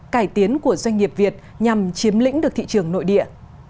cải tiến của doanh nghiệp việt nhằm chiếm lĩnh được thị trường nội địa